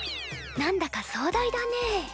何だかそう大だね。